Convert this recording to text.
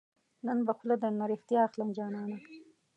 نن به خوله درنه ريښتیا اخلم جانانه